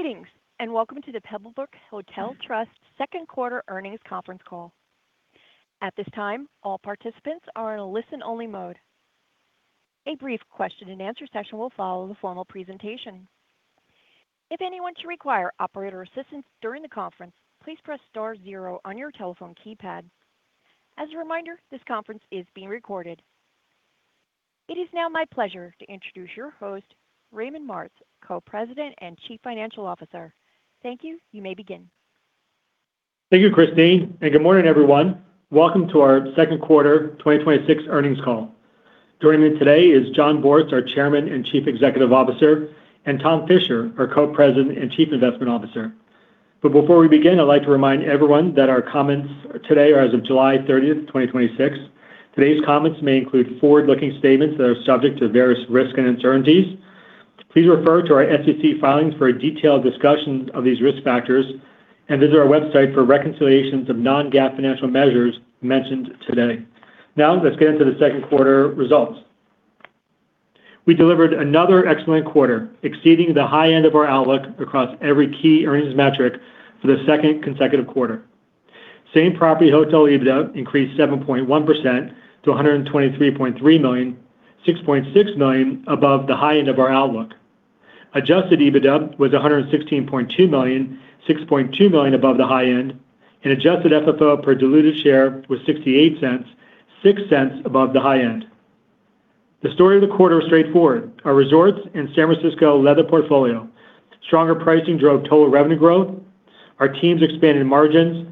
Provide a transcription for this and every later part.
Greetings, welcome to the Pebblebrook Hotel Trust Second Quarter Earnings Conference Call. At this time, all participants are in a listen-only mode. A brief question and answer session will follow the formal presentation. If anyone should require operator assistance during the conference, please press star zero on your telephone keypad. As a reminder, this conference is being recorded. It is now my pleasure to introduce your host, Raymond Martz, Co-President and Chief Financial Officer. Thank you. You may begin. Thank you, Christine, good morning, everyone. Welcome to our second quarter 2026 earnings call. Joining me today is Jon Bortz, our Chairman and Chief Executive Officer, and Tom Fisher, our Co-President and Chief Investment Officer. Before we begin, I'd like to remind everyone that our comments today are as of July 30th, 2026. Today's comments may include forward-looking statements that are subject to various risks and uncertainties. Please refer to our SEC filings for a detailed discussion of these risk factors, and visit our website for reconciliations of non-GAAP financial measures mentioned today. Let's get into the second quarter results. We delivered another excellent quarter, exceeding the high end of our outlook across every key earnings metric for the second consecutive quarter. Same property hotel EBITDA increased 7.1% to $123.3 million, $6.6 million above the high end of our outlook. Adjusted EBITDA was $116.2 million, $6.2 million above the high end. Adjusted FFO per diluted share was $0.68, $0.06 above the high end. The story of the quarter is straightforward. Our resorts and San Francisco led our portfolio, stronger pricing drove total revenue growth, our teams expanded margins,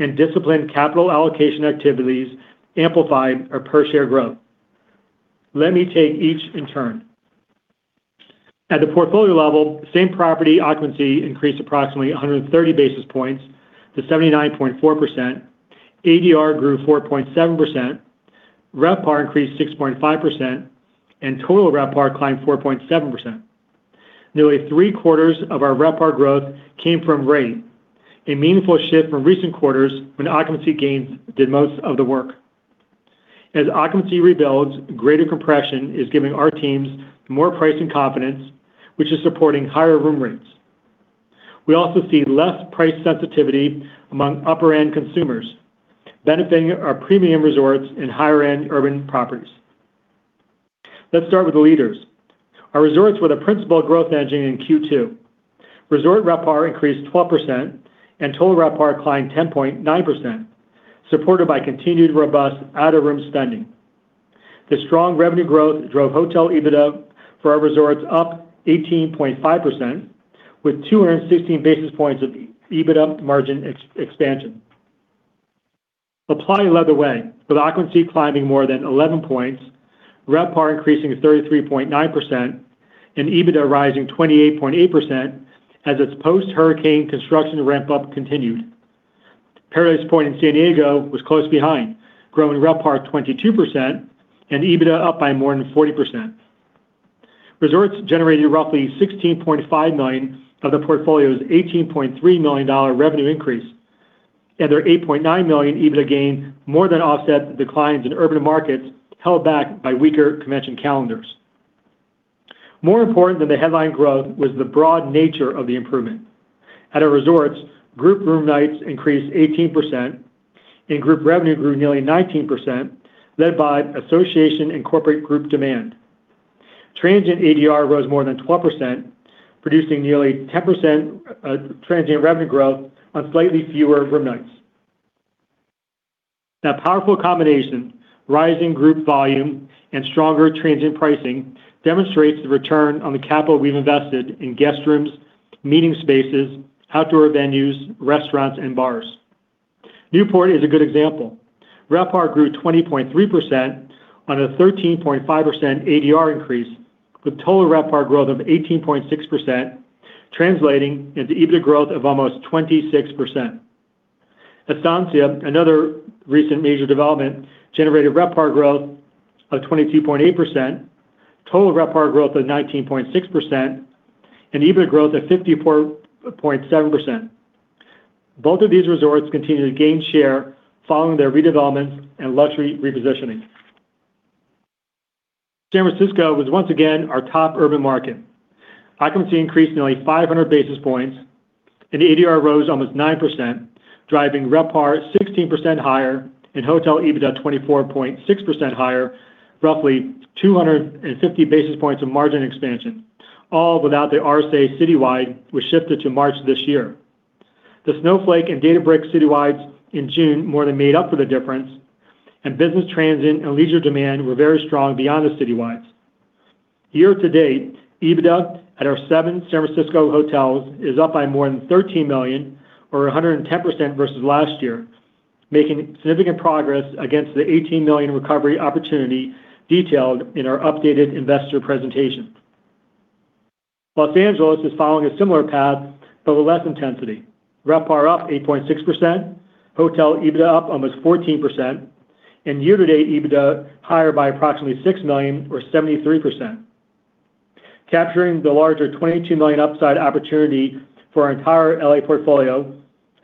and disciplined capital allocation activities amplified our per-share growth. Let me take each in turn. At the portfolio level, same property occupancy increased approximately 130 basis points to 79.4%. ADR grew 4.7%, RevPAR increased 6.5%. Total RevPAR climbed 4.7%. Nearly three-quarters of our RevPAR growth came from rate, a meaningful shift from recent quarters when occupancy gains did most of the work. As occupancy rebuilds, greater compression is giving our teams more pricing confidence, which is supporting higher room rates. We also see less price sensitivity among upper-end consumers, benefiting our premium resorts and higher-end urban properties. Let's start with the leaders. Our resorts were the principal growth engine in Q2. Resort RevPAR increased 12%. Total RevPAR climbed 10.9%, supported by continued robust out-of-room spending. The strong revenue growth drove hotel EBITDA for our resorts up 18.5%, with 216 basis points of EBITDA margin expansion. LaPlaya, with occupancy climbing more than 11 points, RevPAR increasing to 33.9%. EBITDA rising 28.8% as its post-hurricane construction ramp-up continued. Paradise Point in San Diego was close behind, growing RevPAR 22% and EBITDA up by more than 40%. Resorts generated roughly $16.5 million of the portfolio's $18.3 million revenue increase. Their $8.9 million EBITDA gain more than offset the declines in urban markets held back by weaker convention calendars. More important than the headline growth was the broad nature of the improvement. At our resorts, group room nights increased 18%, and group revenue grew nearly 19%, led by association and corporate group demand. Transient ADR rose more than 12%, producing nearly 10% transient revenue growth on slightly fewer room nights. That powerful combination, rising group volume and stronger transient pricing, demonstrates the return on the capital we've invested in guest rooms, meeting spaces, outdoor venues, restaurants, and bars. Newport is a good example. RevPAR grew 20.3% on a 13.5% ADR increase, with total RevPAR growth of 18.6%, translating into EBITDA growth of almost 26%. Estancia, another recent major development, generated RevPAR growth of 22.8%, total RevPAR growth of 19.6%, and EBITDA growth of 54.7%. Both of these resorts continue to gain share following their redevelopments and luxury repositioning. San Francisco was once again our top urban market. Occupancy increased nearly 500 basis points, and ADR rose almost 9%, driving RevPAR 16% higher and hotel EBITDA 24.6% higher, roughly 250 basis points of margin expansion, all without the RSA citywide, which shifted to March this year. Snowflake and Databricks citywides in June more than made up for the difference, and business transient and leisure demand were very strong beyond the citywides. Year to date, EBITDA at our seven San Francisco hotels is up by more than $13 million, or 110% versus last year, making significant progress against the $18 million recovery opportunity detailed in our updated investor presentation. Los Angeles is following a similar path, but with less intensity. RevPAR up 8.6%, hotel EBITDA up almost 14%, and year-to-date EBITDA higher by approximately $6 million or 73%. Capturing the larger $22 million upside opportunity for our entire L.A. portfolio,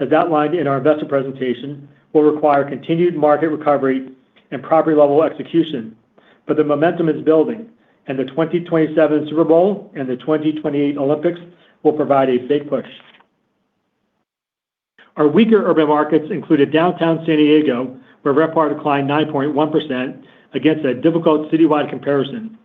as outlined in our investor presentation, will require continued market recovery and property-level execution. The momentum is building, and the 2027 Super Bowl and the 2028 Olympics will provide a big push. Our weaker urban markets included downtown San Diego, where RevPAR declined 9.1% against a difficult citywide comparison,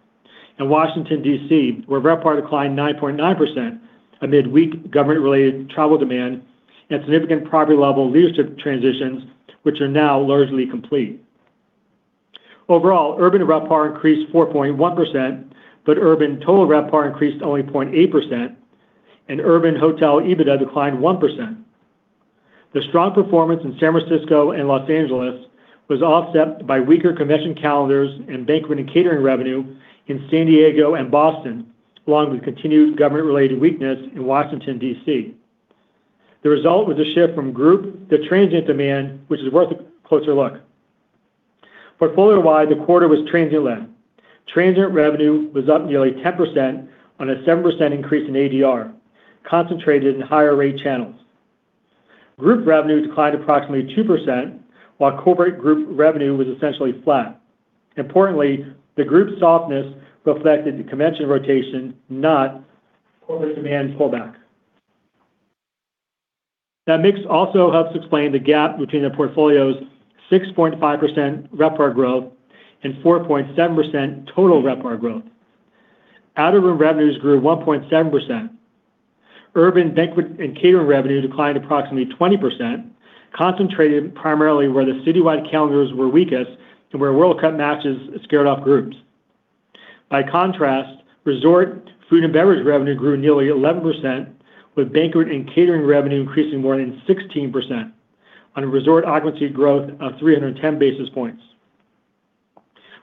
and Washington, D.C., where RevPAR declined 9.9% amid weak government-related travel demand and significant property-level leadership transitions, which are now largely complete. Overall, urban RevPAR increased 4.1%, but urban total RevPAR increased only 0.8%, and urban hotel EBITDA declined 1%. The strong performance in San Francisco and Los Angeles was offset by weaker convention calendars and banquet and catering revenue in San Diego and Boston, along with continued government-related weakness in Washington, D.C. The result was a shift from group to transient demand, which is worth a closer look. Portfolio-wide, the quarter was transient-led. Transient revenue was up nearly 10% on a 7% increase in ADR, concentrated in higher rate channels. Group revenue declined approximately 2%, while corporate group revenue was essentially flat. Importantly, the group softness reflected the convention rotation, not overall demand pullback. That mix also helps explain the gap between the portfolio's 6.5% RevPAR growth and 4.7% total RevPAR growth. Out-of-room revenues grew 1.7%. Urban banquet and catering revenue declined approximately 20%, concentrated primarily where the citywide calendars were weakest, and where World Cup matches scared off groups. By contrast, resort food and beverage revenue grew nearly 11%, with banquet and catering revenue increasing more than 16% on resort occupancy growth of 310 basis points.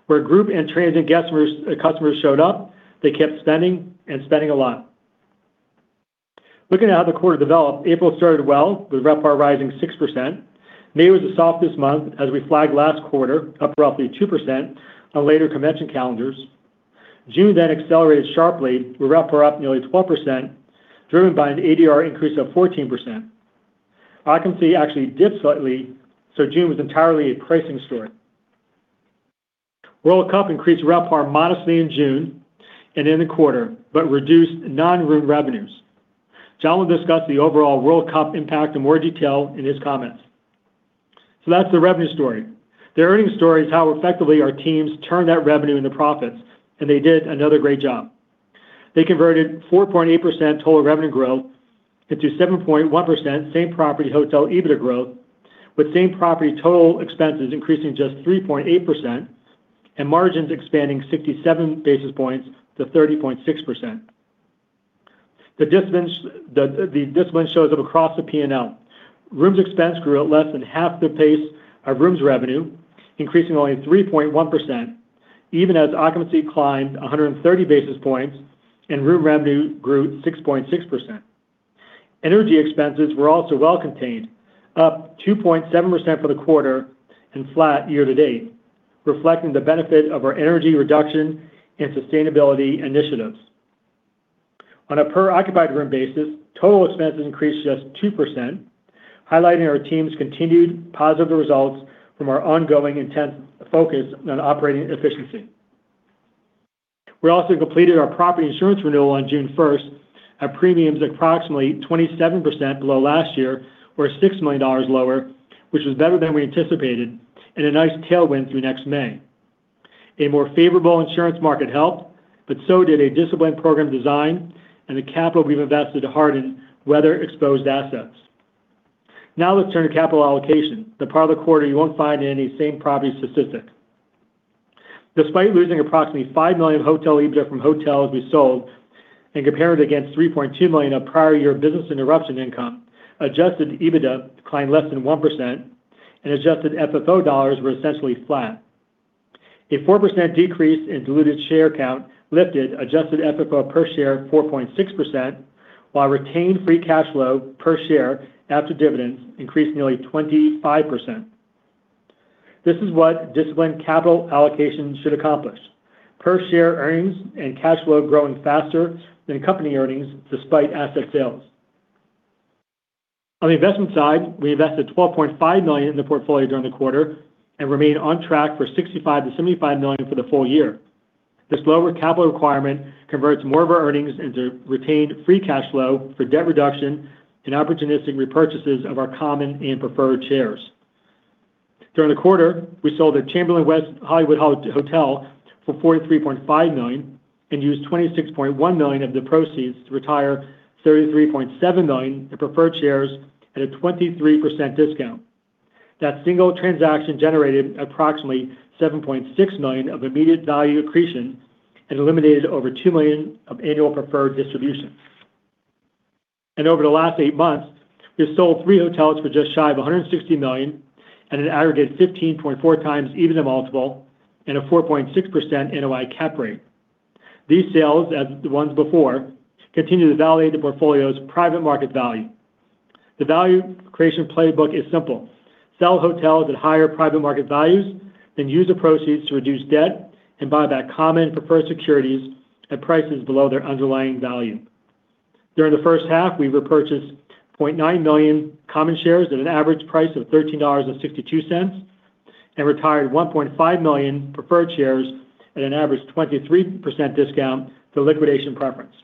Where group and transient customers showed up, they kept spending and spending a lot. Looking at how the quarter developed, April started well with RevPAR rising 6%. May was the softest month, as we flagged last quarter, up roughly 2% on later convention calendars. June accelerated sharply, with RevPAR up nearly 12%, driven by an ADR increase of 14%. Occupancy actually dipped slightly, June was entirely a pricing story. World Cup increased RevPAR modestly in June and in the quarter, but reduced non-room revenues. Jon will discuss the overall World Cup impact in more detail in his comments. That's the revenue story. The earnings story is how effectively our teams turn that revenue into profits, they did another great job. They converted 4.8% total revenue growth into 7.1% same property hotel EBITDA growth, with same property total expenses increasing just 3.8%, and margins expanding 67 basis points to 30.6%. The discipline shows up across the P&L. Rooms expense grew at less than half the pace of rooms revenue, increasing only 3.1%, even as occupancy climbed 130 basis points and room revenue grew 6.6%. Energy expenses were also well contained, up 2.7% for the quarter and flat year-to-date, reflecting the benefit of our energy reduction and sustainability initiatives. On a per occupied room basis, total expenses increased just 2%, highlighting our team's continued positive results from our ongoing intense focus on operating efficiency. We also completed our property insurance renewal on June 1st at premiums approximately 27% below last year or $6 million lower, which was better than we anticipated and a nice tailwind through next May. A more favorable insurance market helped, but so did a disciplined program design and the capital we've invested to harden weather-exposed assets. Let's turn to capital allocation, the part of the quarter you won't find in any same property statistic. Despite losing approximately $5 million of hotel EBITDA from hotels we sold and compared against $3.2 million of prior year business interruption income, adjusted EBITDA declined less than 1%, adjusted FFO dollars were essentially flat. A 4% decrease in diluted share count lifted adjusted FFO per share 4.6%, while retained free cash flow per share after dividends increased nearly 25%. This is what disciplined capital allocation should accomplish. Per share earnings and cash flow growing faster than company earnings despite asset sales. On the investment side, we invested $12.5 million in the portfolio during the quarter and remain on track for $65 million-$75 million for the full year. This lower capital requirement converts more of our earnings into retained free cash flow for debt reduction and opportunistic repurchases of our common and preferred shares. During the quarter, we sold the Chamberlain West Hollywood Hotel for $43.5 million and used $26.1 million of the proceeds to retire $33.7 million in preferred shares at a 23% discount. That single transaction generated approximately $7.6 million of immediate value accretion and eliminated over $2 million of annual preferred distributions. Over the last eight months, we have sold three hotels for just shy of $160 million at an aggregate 15.4x EBITDA multiple and a 4.6% NOI cap rate. These sales, as the ones before, continue to validate the portfolio's private market value. The value creation playbook is simple: sell hotels at higher private market values, then use the proceeds to reduce debt and buy back common preferred securities at prices below their underlying value. During the first half, we repurchased 0.9 million common shares at an average price of $13.62 and retired 1.5 million preferred shares at an average 23% discount to liquidation preference.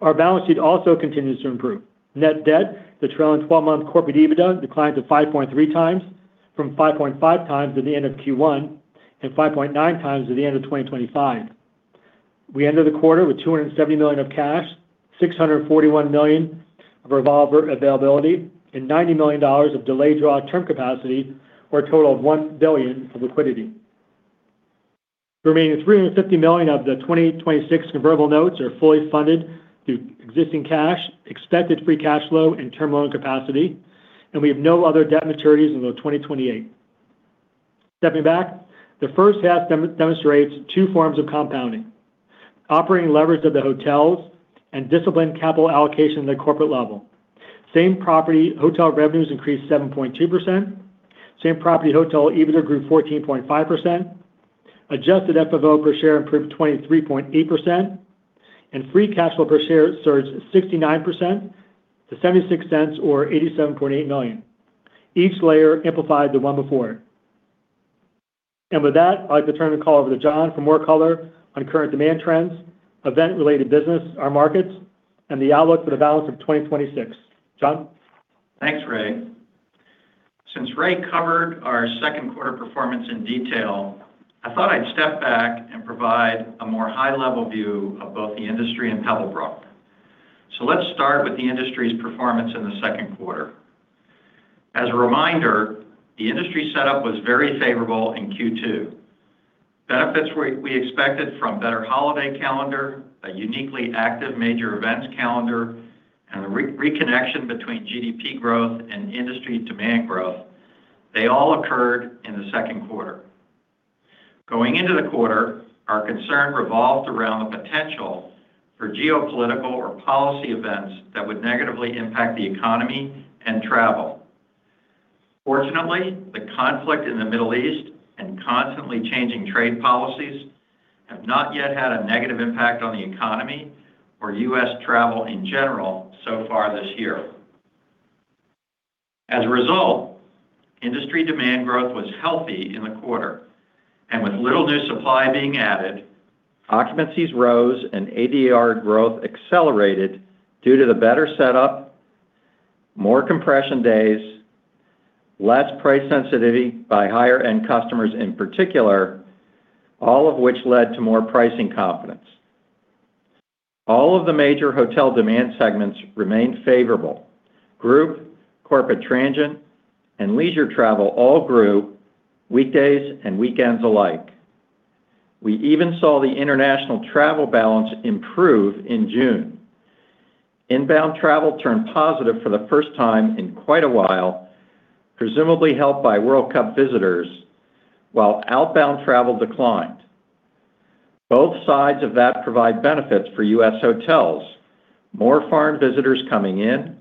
Our balance sheet also continues to improve. Net debt, the trailing 12-month corporate EBITDA declined to 5.3x from 5.5x at the end of Q1 and 5.9x at the end of 2025. We ended the quarter with $270 million of cash, $641 million of revolver availability, and $90 million of delayed draw term capacity, for a total of $1 billion of liquidity. The remaining $350 million of the 2026 convertible notes are fully funded through existing cash, expected free cash flow, and term loan capacity. We have no other debt maturities until 2028. Stepping back, the first half demonstrates two forms of compounding: operating leverage of the hotels and disciplined capital allocation at the corporate level. Same property hotel revenues increased 7.2%, same property hotel EBITDA grew 14.5%, adjusted FFO per share improved 23.8%, and free cash flow per share surged 69% to $0.76, or $87.8 million. Each layer amplified the one before it. With that, I'd like to turn the call over to Jon for more color on current demand trends, event-related business, our markets, and the outlook for the balance of 2026. Jon? Thanks, Ray. Since Ray covered our second quarter performance in detail, I thought I'd step back and provide a more high-level view of both the industry and Pebblebrook. Let's start with the industry's performance in the second quarter. As a reminder, the industry setup was very favorable in Q2. Benefits we expected from better holiday calendar, a uniquely active major events calendar, and the reconnection between GDP growth and industry demand growth, they all occurred in the second quarter. Going into the quarter, our concern revolved around the potential for geopolitical or policy events that would negatively impact the economy and travel. Fortunately, the conflict in the Middle East and constantly changing trade policies have not yet had a negative impact on the economy or U.S. travel in general so far this year. As a result, industry demand growth was healthy in the quarter. With little new supply being added, occupancies rose and ADR growth accelerated due to the better setup, more compression days, less price sensitivity by higher-end customers in particular, all of which led to more pricing confidence. All of the major hotel demand segments remained favorable. Group, corporate transient, and leisure travel all grew, weekdays and weekends alike. We even saw the international travel balance improve in June. Inbound travel turned positive for the first time in quite a while, presumably helped by World Cup visitors, while outbound travel declined. Both sides of that provide benefits for U.S. hotels, more foreign visitors coming in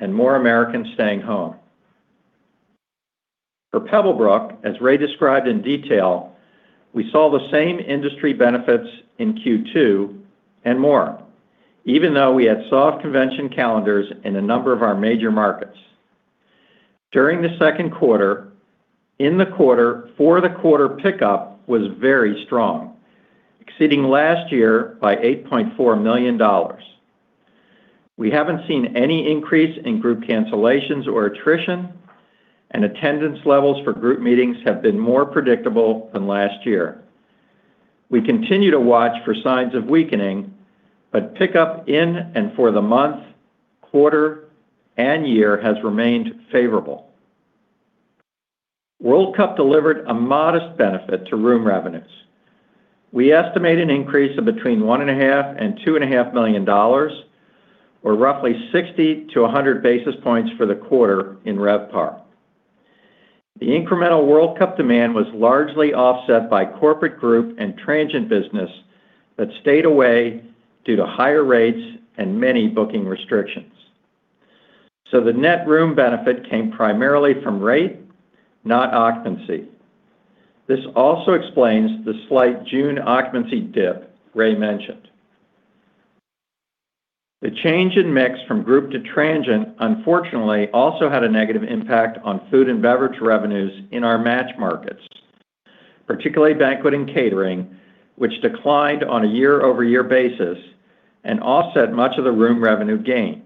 and more Americans staying home. For Pebblebrook, as Ray described in detail, we saw the same industry benefits in Q2 and more, even though we had soft convention calendars in a number of our major markets. During the second quarter, in the quarter, for the quarter pickup was very strong, exceeding last year by $8.4 million. We haven't seen any increase in group cancellations or attrition, and attendance levels for group meetings have been more predictable than last year. We continue to watch for signs of weakening, but pickup in and for the month, quarter, and year has remained favorable. World Cup delivered a modest benefit to room revenues. We estimate an increase of between $1.5 million and $2.5 million, or roughly 60-100 basis points for the quarter in RevPAR. The incremental World Cup demand was largely offset by corporate group and transient business that stayed away due to higher rates and many booking restrictions. The net room benefit came primarily from rate, not occupancy. This also explains the slight June occupancy dip Ray mentioned. The change in mix from group to transient, unfortunately, also had a negative impact on food and beverage revenues in our match markets, particularly banquet and catering, which declined on a year-over-year basis and offset much of the room revenue gain.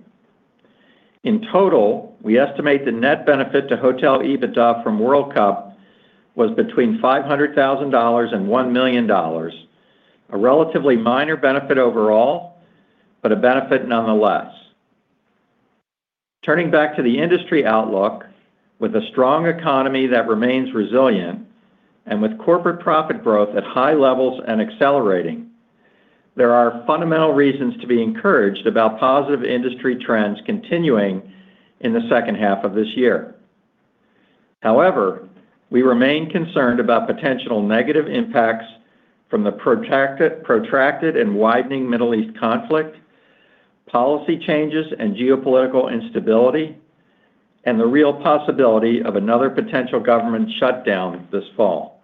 In total, we estimate the net benefit to hotel EBITDA from World Cup was between $500,000 and $1 million, a relatively minor benefit overall, but a benefit nonetheless. Turning back to the industry outlook, with a strong economy that remains resilient and with corporate profit growth at high levels and accelerating, there are fundamental reasons to be encouraged about positive industry trends continuing in the second half of this year. We remain concerned about potential negative impacts from the protracted and widening Middle East conflict, policy changes and geopolitical instability, and the real possibility of another potential government shutdown this fall.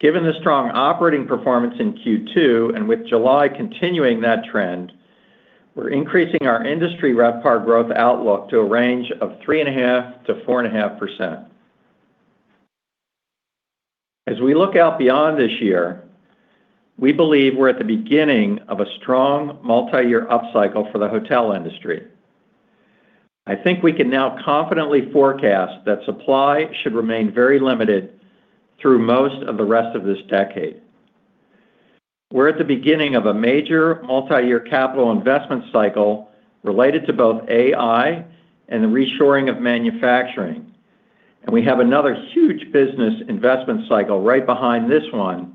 Given the strong operating performance in Q2, and with July continuing that trend, we're increasing our industry RevPAR growth outlook to a range of 3.5%-4.5%. As we look out beyond this year, we believe we're at the beginning of a strong multi-year upcycle for the hotel industry. I think we can now confidently forecast that supply should remain very limited through most of the rest of this decade. We're at the beginning of a major multi-year capital investment cycle related to both AI and the reshoring of manufacturing. We have another huge business investment cycle right behind this one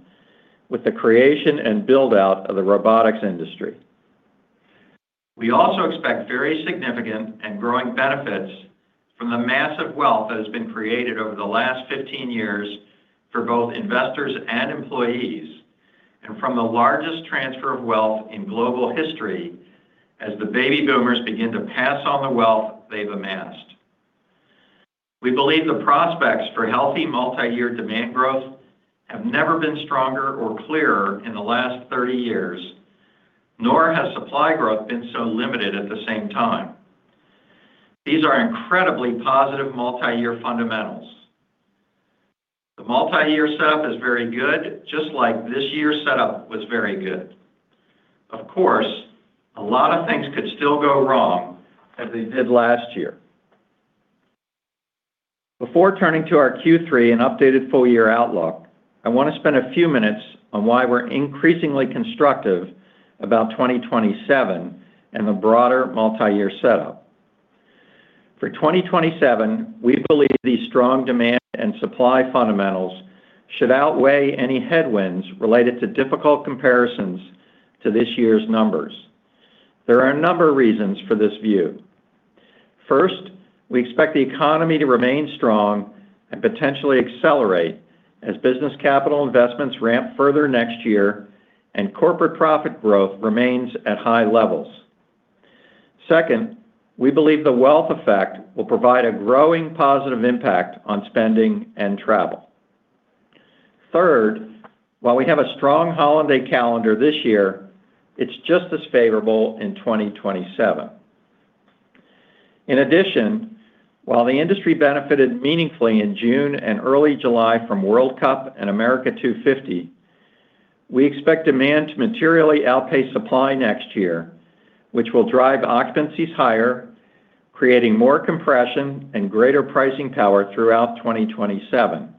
with the creation and build-out of the robotics industry. We also expect very significant and growing benefits from the massive wealth that has been created over the last 15 years for both investors and employees, and from the largest transfer of wealth in global history as the baby boomers begin to pass on the wealth they've amassed. We believe the prospects for healthy multi-year demand growth have never been stronger or clearer in the last 30 years, nor has supply growth been so limited at the same time. These are incredibly positive multi-year fundamentals. The multi-year setup is very good, just like this year's setup was very good. A lot of things could still go wrong as they did last year. Before turning to our Q3 and updated full-year outlook, I want to spend a few minutes on why we're increasingly constructive about 2027 and the broader multi-year setup. For 2027, we believe these strong demand and supply fundamentals should outweigh any headwinds related to difficult comparisons to this year's numbers. There are a number of reasons for this view. First, we expect the economy to remain strong and potentially accelerate as business capital investments ramp further next year and corporate profit growth remains at high levels. Second, we believe the wealth effect will provide a growing positive impact on spending and travel. Third, while we have a strong holiday calendar this year, it's just as favorable in 2027. In addition, while the industry benefited meaningfully in June and early July from World Cup and America 250, we expect demand to materially outpace supply next year, which will drive occupancies higher, creating more compression and greater pricing power throughout 2027,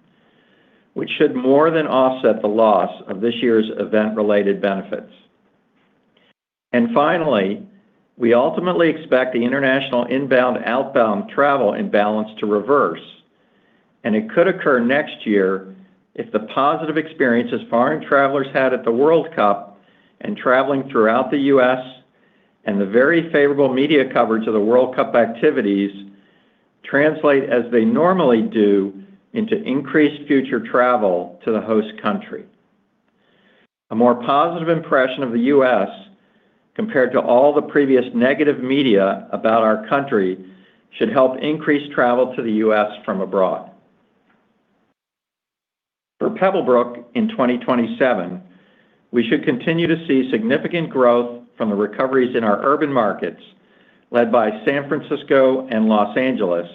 which should more than offset the loss of this year's event-related benefits. Finally, we ultimately expect the international inbound, outbound travel imbalance to reverse, and it could occur next year if the positive experiences foreign travelers had at the World Cup and traveling throughout the U.S., and the very favorable media coverage of the World Cup activities translate as they normally do into increased future travel to the host country. A more positive impression of the U.S. compared to all the previous negative media about our country should help increase travel to the U.S. from abroad. For Pebblebrook in 2027, we should continue to see significant growth from the recoveries in our urban markets led by San Francisco and Los Angeles,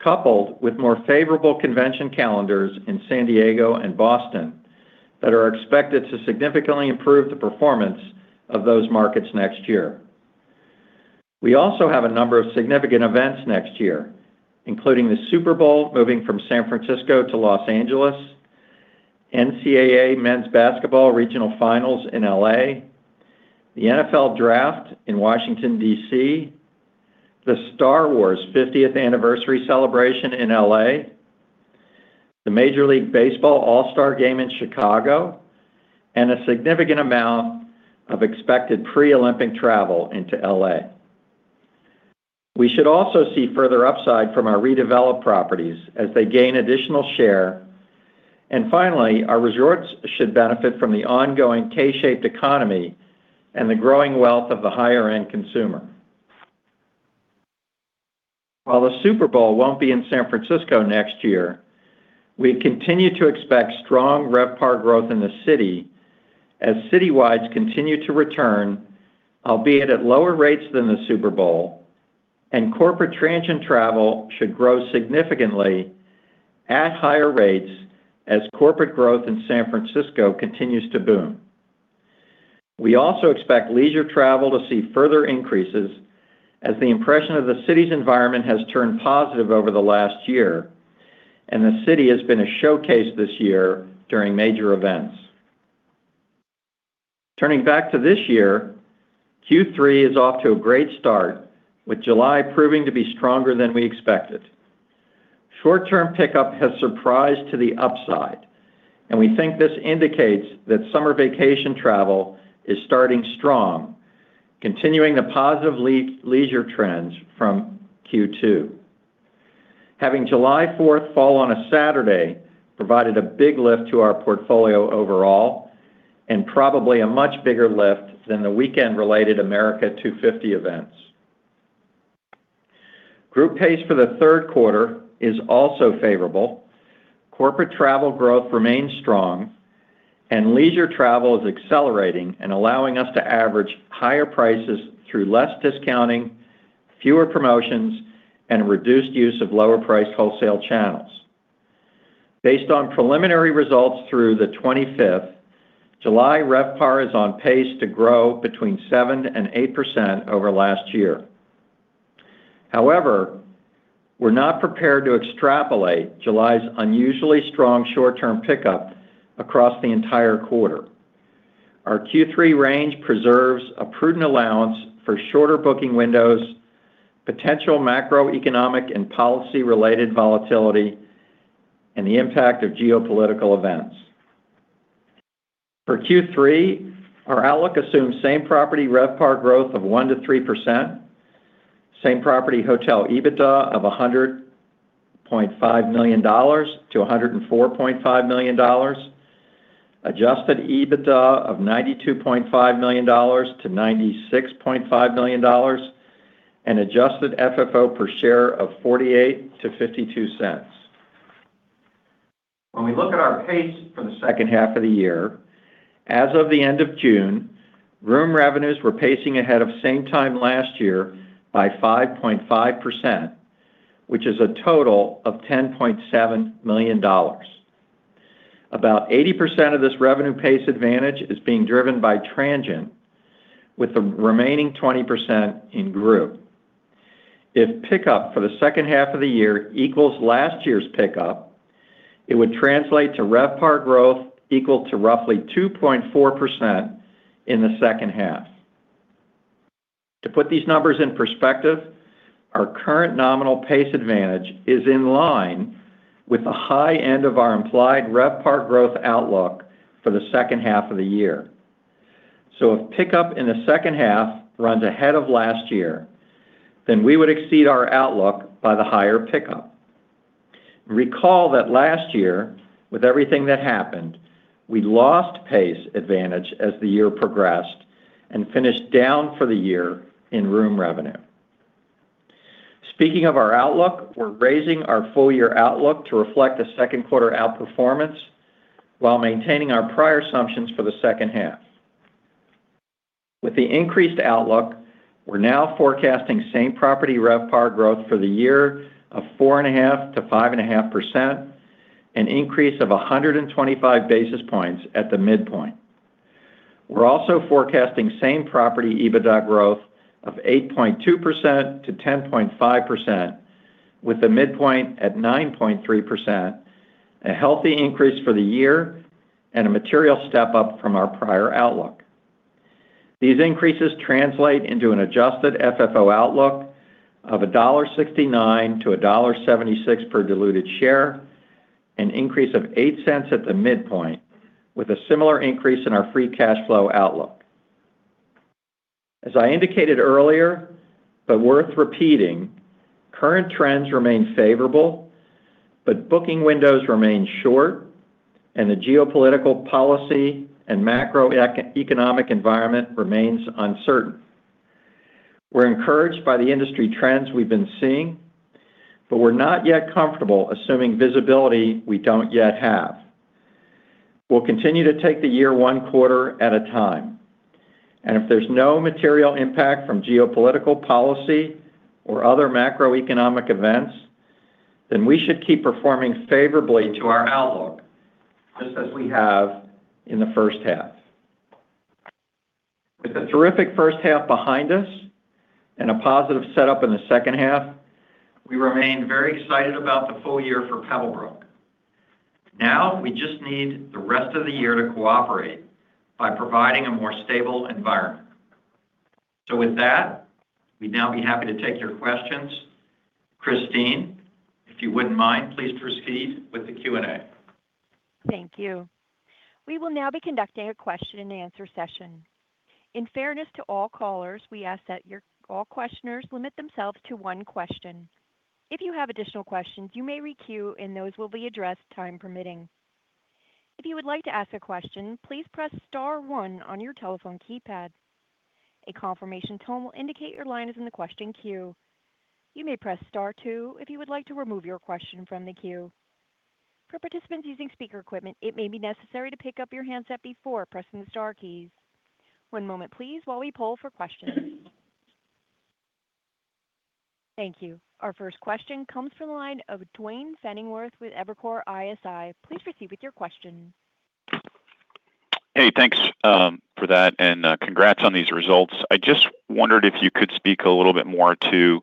coupled with more favorable convention calendars in San Diego and Boston that are expected to significantly improve the performance of those markets next year. We also have a number of significant events next year, including the Super Bowl moving from San Francisco to Los Angeles, NCAA Men's Basketball Regional finals in L.A., the NFL Draft in Washington, D.C., the Star Wars 50th anniversary celebration in L.A., the Major League Baseball All-Star Game in Chicago, and a significant amount of expected pre-Olympic travel into L.A. We should also see further upside from our redeveloped properties as they gain additional share. Finally, our resorts should benefit from the ongoing K-shaped economy and the growing wealth of the higher-end consumer. While the Super Bowl won't be in San Francisco next year, we continue to expect strong RevPAR growth in the city as citywides continue to return, albeit at lower rates than the Super Bowl, and corporate transient travel should grow significantly at higher rates as corporate growth in San Francisco continues to boom. We also expect leisure travel to see further increases as the impression of the city's environment has turned positive over the last year, and the city has been a showcase this year during major events. Turning back to this year, Q3 is off to a great start with July proving to be stronger than we expected. Short-term pickup has surprised to the upside, and we think this indicates that summer vacation travel is starting strong, continuing the positive leisure trends from Q2. Having July 4th fall on a Saturday provided a big lift to our portfolio overall, and probably a much bigger lift than the weekend-related America 250 events. Group pace for the third quarter is also favorable. Corporate travel growth remains strong, and leisure travel is accelerating and allowing us to average higher prices through less discounting, fewer promotions, and reduced use of lower-priced wholesale channels. Based on preliminary results through the 25th, July RevPAR is on pace to grow between 7% and 8% over last year. However, we're not prepared to extrapolate July's unusually strong short-term pickup across the entire quarter. Our Q3 range preserves a prudent allowance for shorter booking windows, potential macroeconomic and policy-related volatility, and the impact of geopolitical events. For Q3, our outlook assumes same-property RevPAR growth of 1% to 3%, same-property hotel EBITDA of $100.5 million to $104.5 million, adjusted EBITDA of $92.5 million to $96.5 million, and adjusted FFO per share of $0.48 to $0.52. When we look at our pace for the second half of the year, as of the end of June, room revenues were pacing ahead of same time last year by 5.5%, which is a total of $10.7 million. About 80% of this revenue pace advantage is being driven by transient, with the remaining 20% in group. If pickup for the second half of the year equals last year's pickup, it would translate to RevPAR growth equal to roughly 2.4% in the second half. To put these numbers in perspective, our current nominal pace advantage is in line with the high end of our implied RevPAR growth outlook for the second half of the year. If pickup in the second half runs ahead of last year, then we would exceed our outlook by the higher pickup. Recall that last year, with everything that happened, we lost pace advantage as the year progressed and finished down for the year in room revenue. Speaking of our outlook, we're raising our full-year outlook to reflect the second quarter outperformance while maintaining our prior assumptions for the second half. With the increased outlook, we're now forecasting same property RevPAR growth for the year of 4.5% to 5.5%, an increase of 125 basis points at the midpoint. We're also forecasting same-property EBITDA growth of 8.2% to 10.5%, with the midpoint at 9.3%, a healthy increase for the year, and a material step-up from our prior outlook. These increases translate into an adjusted FFO outlook of $1.69 to $1.76 per diluted share, an increase of $0.08 at the midpoint, with a similar increase in our free cash flow outlook. As I indicated earlier, but worth repeating, current trends remain favorable, but booking windows remain short, and the geopolitical policy and macroeconomic environment remains uncertain. We're encouraged by the industry trends we've been seeing, but we're not yet comfortable assuming visibility we don't yet have. We'll continue to take the year one quarter at a time, and if there's no material impact from geopolitical policy or other macroeconomic events, then we should keep performing favorably to our outlook, just as we have in the first half. With a terrific first half behind us and a positive setup in the second half, we remain very excited about the full year for Pebblebrook. Now, we just need the rest of the year to cooperate by providing a more stable environment. With that, we'd now be happy to take your questions. Christine, if you wouldn't mind, please proceed with the Q&A. Thank you. We will now be conducting a question and answer session. In fairness to all callers, we ask that all questioners limit themselves to one question. If you have additional questions, you may re-queue, and those will be addressed time permitting. If you would like to ask a question, please press star one on your telephone keypad. A confirmation tone will indicate your line is in the question queue. You may press star two if you would like to remove your question from the queue. For participants using speaker equipment, it may be necessary to pick up your handset before pressing the star keys. One moment, please, while we poll for questions. Thank you. Our first question comes from the line of Duane Pfennigwerth with Evercore ISI. Please proceed with your question. Hey, thanks for that. Congrats on these results. I just wondered if you could speak a little bit more to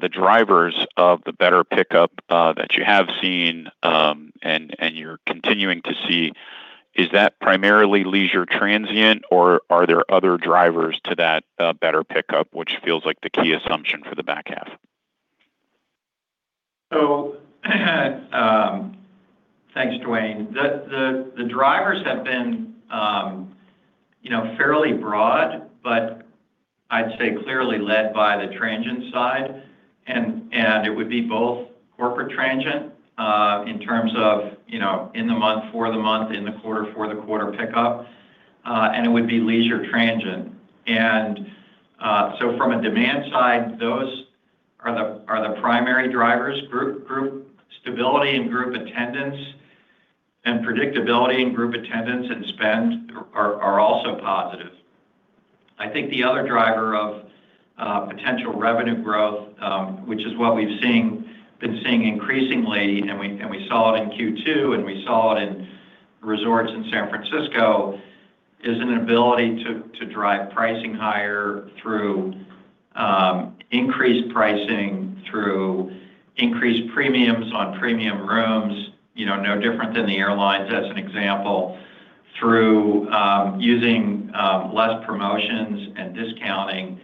the drivers of the better pickup that you have seen and you're continuing to see. Is that primarily leisure transient, or are there other drivers to that better pickup, which feels like the key assumption for the back half? Thanks, Duane. The drivers have been fairly broad, but I'd say clearly led by the transient side. It would be both corporate transient in terms of in the month, for the month, in the quarter, for the quarter pickup. It would be leisure transient. From a demand side, those are the primary drivers. Group stability and group attendance, and predictability in group attendance and spend are also positive. I think the other driver of potential revenue growth, which is what we've been seeing increasingly, and we saw it in Q2, and we saw it in resorts in San Francisco, is an ability to drive pricing higher through increased pricing, through increased premiums on premium rooms, no different than the airlines, as an example. Through using less promotions and discounting,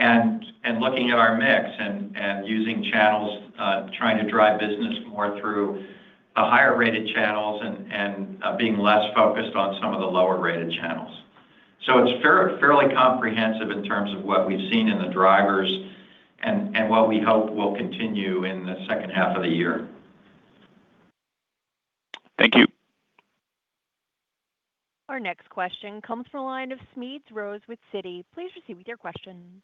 and looking at our mix and using channels, trying to drive business more through the higher-rated channels and being less focused on some of the lower-rated channels. It's fairly comprehensive in terms of what we've seen in the drivers and what we hope will continue in the second half of the year. Thank you. Our next question comes from the line of Smedes Rose with Citi. Please proceed with your question.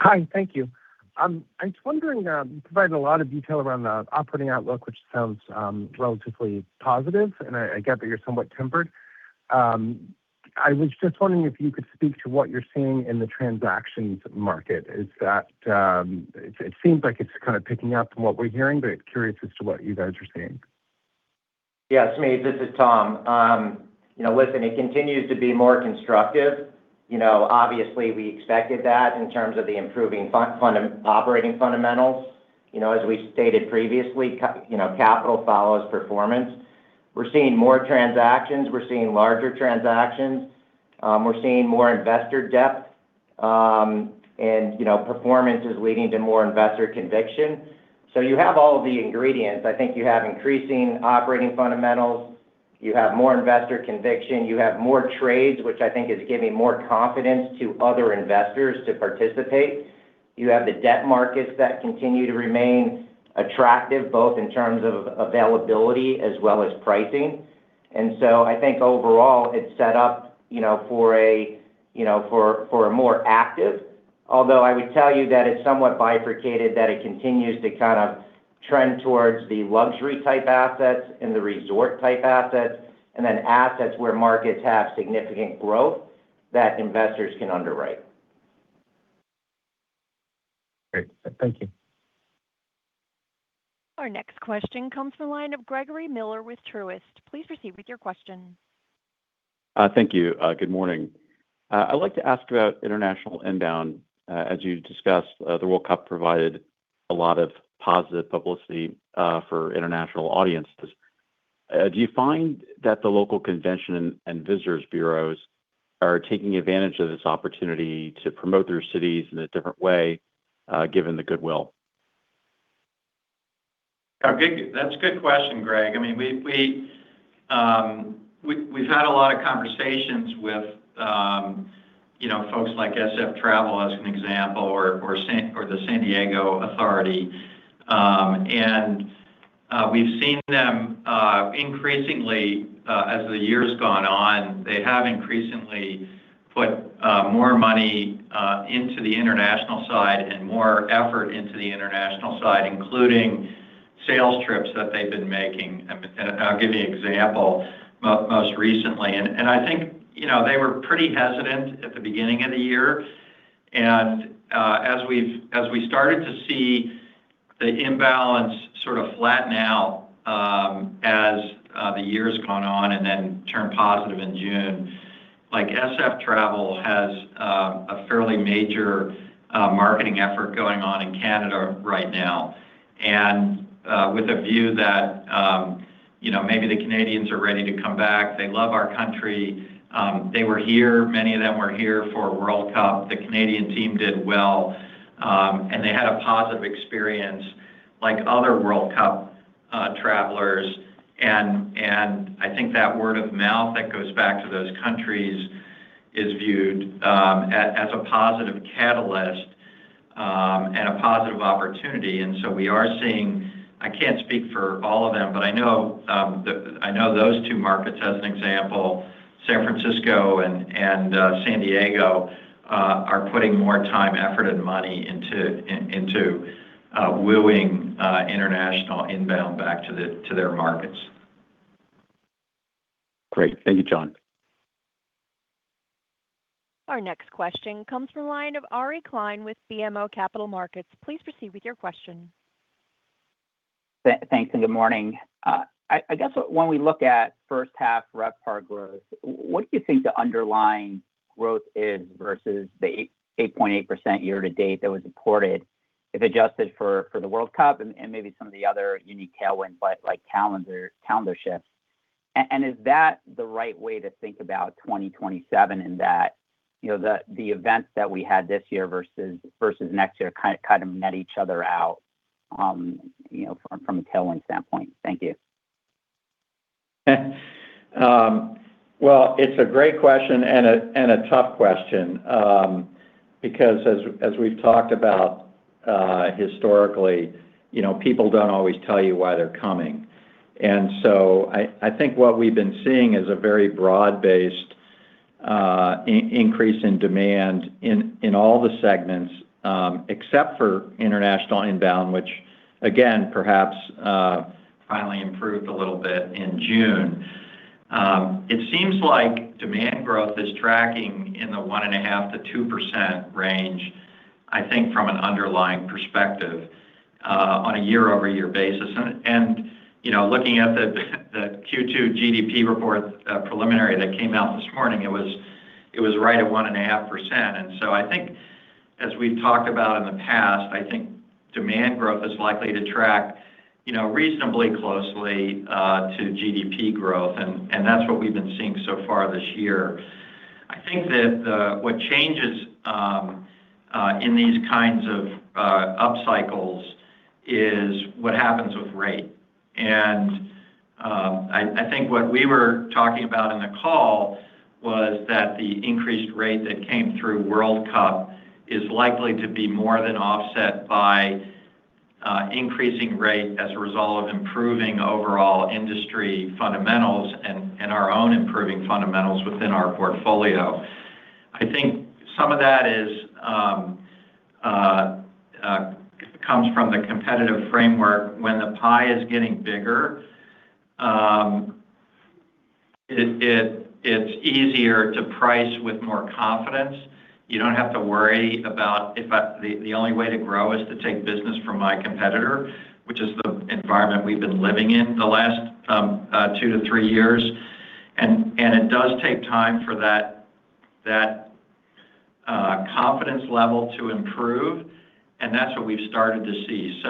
Hi, thank you. I was wondering, you provided a lot of detail around the operating outlook, which sounds relatively positive, and I get that you're somewhat tempered. I was just wondering if you could speak to what you're seeing in the transactions market. It seems like it's kind of picking up from what we're hearing. Curious as to what you guys are seeing. Yeah, Smedes, this is Tom. Listen, it continues to be more constructive. Obviously, we expected that in terms of the improving operating fundamentals. As we stated previously, capital follows performance. We're seeing more transactions. We're seeing larger transactions. We're seeing more investor depth. Performance is leading to more investor conviction. You have all of the ingredients. I think you have increasing operating fundamentals. You have more investor conviction. You have more trades, which I think is giving more confidence to other investors to participate. You have the debt markets that continue to remain attractive, both in terms of availability as well as pricing. I think overall, it's set up for a more active. Although I would tell you that it is somewhat bifurcated, that it continues to kind of trend towards the luxury-type assets and the resort-type assets, and then assets where markets have significant growth that investors can underwrite. Great. Thank you. Our next question comes from the line of Gregory Miller with Truist. Please proceed with your question. Thank you. Good morning. I would like to ask about international inbound. As you discussed, the World Cup provided a lot of positive publicity for international audiences. Do you find that the local convention and visitors bureaus are taking advantage of this opportunity to promote their cities in a different way, given the goodwill? That's a good question, Greg. We've had a lot of conversations with folks like SF Travel, as an example, or the San Diego Tourism Authority. We've seen them, increasingly as the year's gone on, they have increasingly put more money into the international side and more effort into the international side, including sales trips that they've been making. I'll give you an example most recently. I think they were pretty hesitant at the beginning of the year. As we started to see the imbalance sort of flatten out as the year's gone on and then turn positive in June, like SF Travel has a fairly major marketing effort going on in Canada right now, with a view that maybe the Canadians are ready to come back. They love our country. They were here, many of them were here for World Cup. The Canadian team did well, and they had a positive experience like other World Cup travelers. I think that word of mouth that goes back to those countries is viewed as a positive catalyst and a positive opportunity. We are seeing, I can't speak for all of them, but I know those two markets as an example, San Francisco and San Diego, are putting more time, effort, and money into wooing international inbound back to their markets. Great. Thank you, Jon. Our next question comes from the line of Ari Klein with BMO Capital Markets. Please proceed with your question. Thanks, good morning. I guess when we look at first half RevPAR growth, what do you think the underlying growth is versus the 8.8% year-to-date that was reported if adjusted for the World Cup and maybe some of the other unique tailwinds, like calendar shifts? Is that the right way to think about 2027 in that the events that we had this year versus next year kind of net each other out from a tailwind standpoint? Thank you. It's a great question and a tough question. As we've talked about historically, people don't always tell you why they're coming. I think what we've been seeing is a very broad-based increase in demand in all the segments, except for international inbound, which again, perhaps finally improved a little bit in June. It seems like demand growth is tracking in the 1.5%-2% range, I think from an underlying perspective, on a year-over-year basis. Looking at the Q2 GDP report preliminary that came out this morning, it was right at 1.5%. I think as we've talked about in the past, I think demand growth is likely to track reasonably closely to GDP growth, and that's what we've been seeing so far this year. I think that what changes in these kinds of up cycles is what happens with rate. I think what we were talking about in the call was that the increased rate that came through World Cup is likely to be more than offset by increasing rate as a result of improving overall industry fundamentals and our own improving fundamentals within our portfolio. I think some of that comes from the competitive framework. When the pie is getting bigger, it's easier to price with more confidence. You don't have to worry about if the only way to grow is to take business from my competitor, which is the environment we've been living in the last two to three years. It does take time for that confidence level to improve, and that's what we've started to see.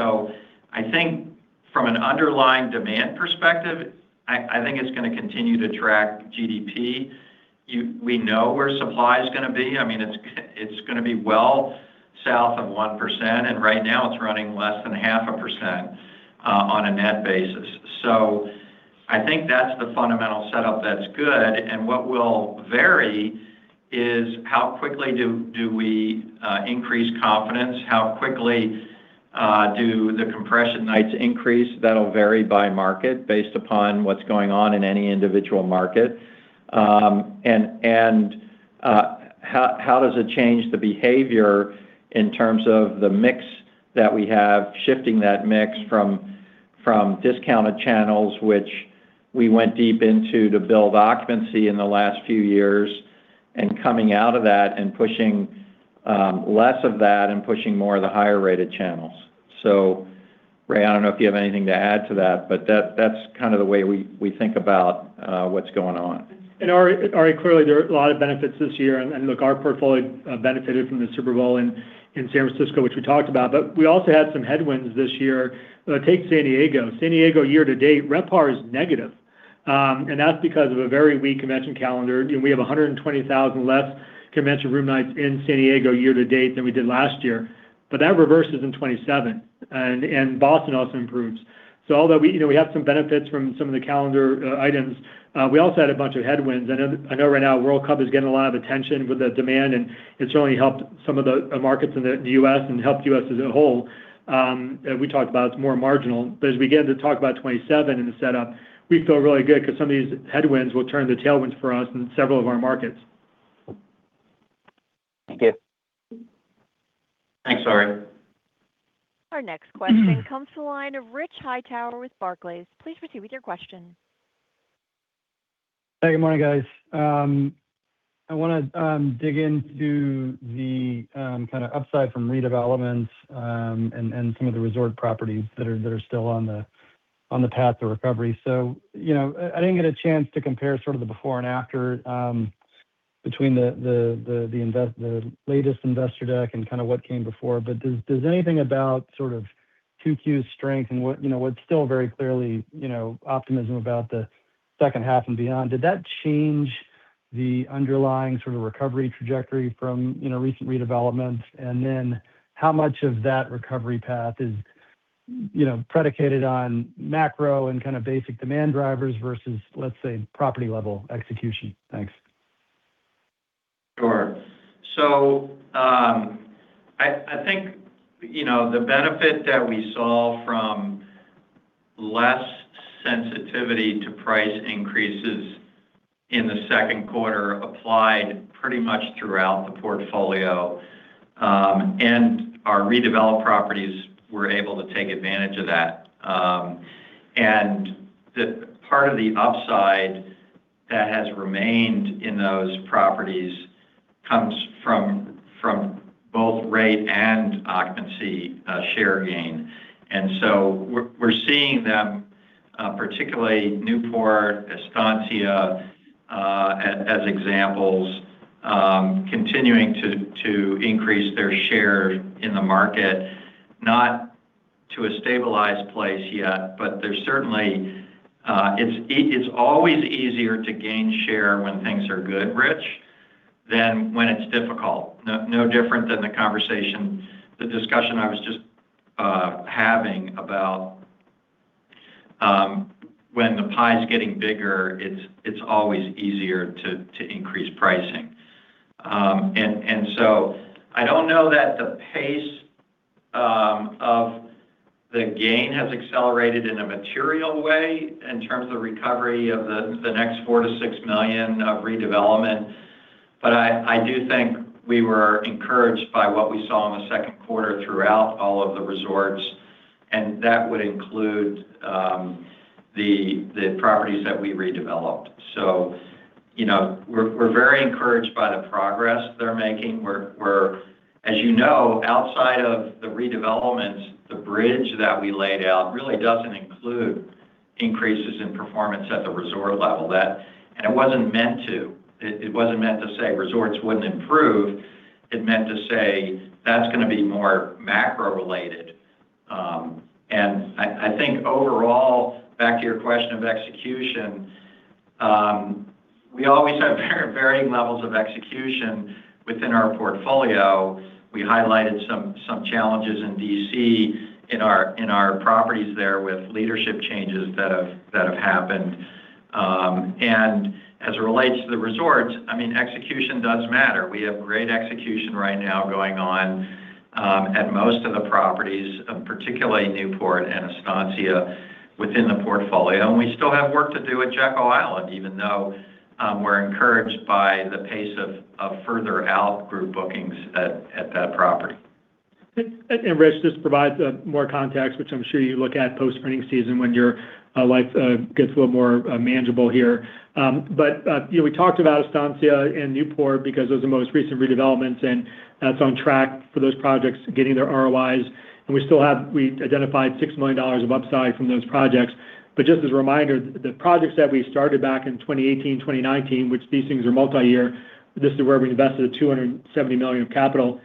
I think from an underlying demand perspective, I think it's going to continue to track GDP. We know where supply's going to be. It's going to be well south of 1%, right now it's running less than 0.5% on a net basis. I think that's the fundamental setup that's good, what will vary is how quickly do we increase confidence, how quickly do the compression nights increase. That'll vary by market based upon what's going on in any individual market. How does it change the behavior in terms of the mix that we have, shifting that mix from discounted channels, which we went deep into to build occupancy in the last few years, coming out of that and pushing less of that and pushing more of the higher rated channels. Ray, I don't know if you have anything to add to that, but that's kind of the way we think about what's going on. Ari, clearly there are a lot of benefits this year. Look, our portfolio benefited from the Super Bowl in San Francisco, which we talked about, but we also had some headwinds this year. Take San Diego. San Diego year to date, RevPAR is negative. That's because of a very weak convention calendar. We have 120,000 less convention room nights in San Diego year to date than we did last year. That reverses in 2027, and Boston also improves. Although we have some benefits from some of the calendar items, we also had a bunch of headwinds. I know right now World Cup is getting a lot of attention with the demand, and it's certainly helped some of the markets in the U.S. and helped U.S. as a whole. We talked about it's more marginal. As we begin to talk about 2027 and the setup, we feel really good because some of these headwinds will turn to tailwinds for us in several of our markets. Thank you. Thanks, Ari. Our next question comes to the line of Rich Hightower with Barclays. Please proceed with your question. Hey, good morning, guys. I want to dig into the kind of upside from redevelopments and some of the resort properties that are still on the path to recovery. I didn't get a chance to compare sort of the before and after between the latest investor deck and kind of what came before. Does anything about sort of 2Q's strength and what's still very clearly optimism about the second half and beyond, did that change the underlying sort of recovery trajectory from recent redevelopments? Then how much of that recovery path is predicated on macro and kind of basic demand drivers versus, let's say, property-level execution? Thanks. Sure. I think the benefit that we saw from less sensitivity to price increases in the second quarter applied pretty much throughout the portfolio, and our redeveloped properties were able to take advantage of that. The part of the upside that has remained in those properties comes from both rate and occupancy share gain. We're seeing them, particularly Newport, Estancia, as examples, continuing to increase their share in the market. Not to a stabilized place yet, but it's always easier to gain share when things are good, Rich, than when it's difficult. No different than the discussion I was just having about When the pie's getting bigger, it's always easier to increase pricing. I don't know that the pace of the gain has accelerated in a material way in terms of recovery of the next $4 million-$6 million of redevelopment. I do think we were encouraged by what we saw in the second quarter throughout all of the resorts, and that would include the properties that we redeveloped. We're very encouraged by the progress they're making. As you know, outside of the redevelopments, the bridge that we laid out really doesn't include increases in performance at the resort level. It wasn't meant to. It wasn't meant to say resorts wouldn't improve. It meant to say that's going to be more macro related. I think overall, back to your question of execution, we always have varying levels of execution within our portfolio. We highlighted some challenges in D.C. in our properties there with leadership changes that have happened. As it relates to the resorts, execution does matter. We have great execution right now going on at most of the properties, particularly Newport and Estancia within the portfolio. We still have work to do at Jekyll Island, even though we're encouraged by the pace of further out group bookings at that property. Rich, this provides more context, which I'm sure you look at post-earnings season when your life gets a little more manageable here. We talked about Estancia and Newport because those are the most recent redevelopments, and that's on track for those projects getting their ROIs, and we identified $6 million of upside from those projects. Just as a reminder, the projects that we started back in 2018, 2019, which these things are multi-year, this is where we invested $270 million of capital.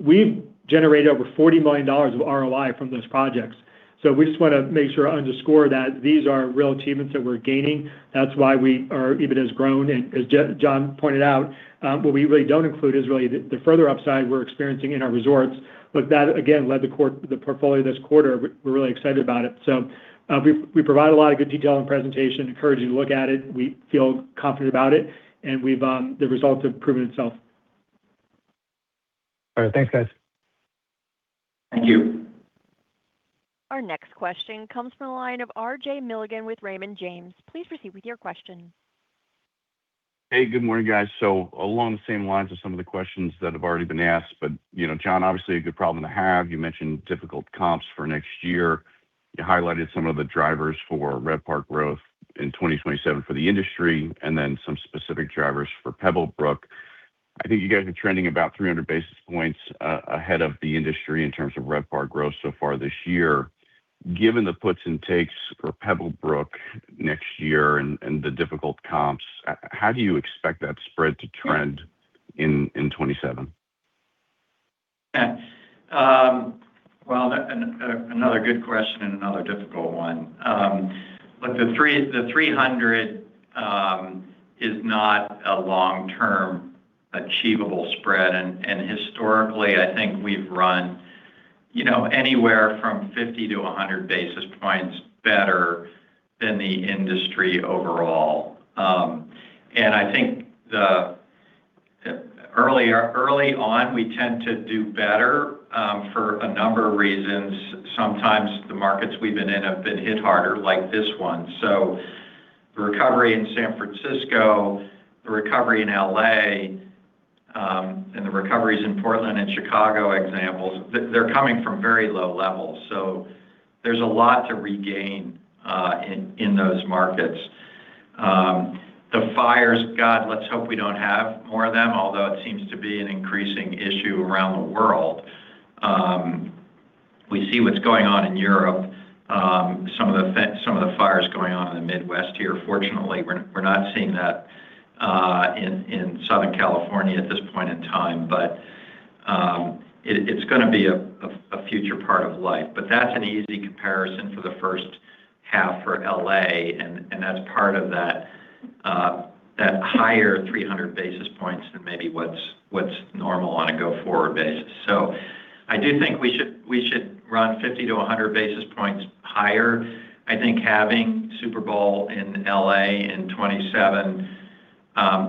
We've generated over $40 million of ROI from those projects. We just want to make sure to underscore that these are real achievements that we're gaining. That's why we are EBITDA has grown. As Jon pointed out, what we really don't include is really the further upside we're experiencing in our resorts. That again led the portfolio this quarter. We're really excited about it. We provide a lot of good detail in the presentation, encourage you to look at it. We feel confident about it, the results have proven itself. All right. Thanks, guys. Thank you. Our next question comes from the line of RJ Milligan with Raymond James. Please proceed with your question. Hey, good morning, guys. Along the same lines as some of the questions that have already been asked, but Jon, obviously a good problem to have. You mentioned difficult comps for next year. You highlighted some of the drivers for RevPAR growth in 2027 for the industry, and then some specific drivers for Pebblebrook. I think you guys are trending about 300 basis points ahead of the industry in terms of RevPAR growth so far this year. Given the puts and takes for Pebblebrook next year and the difficult comps, how do you expect that spread to trend in 2027? Well, another good question and another difficult one. Look, the 300 is not a long-term achievable spread. Historically, I think we've run anywhere from 50-100 basis points better than the industry overall. I think early on, we tend to do better for a number of reasons. Sometimes the markets we've been in have been hit harder, like this one. The recovery in San Francisco, the recovery in L.A., and the recoveries in Portland and Chicago examples, they're coming from very low levels. There's a lot to regain in those markets. The fires, God, let's hope we don't have more of them, although it seems to be an increasing issue around the world. We see what's going on in Europe, some of the fires going on in the Midwest here. Fortunately, we're not seeing that in Southern California at this point in time. It's going to be a future part of life. That's an easy comparison for the first half for L.A., and that's part of that higher 300 basis points than maybe what's normal on a go-forward basis. I do think we should run 50-100 basis points higher. I think having Super Bowl in L.A. in 2027